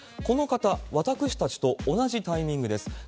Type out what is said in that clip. この方、私たちと同じタイミングです。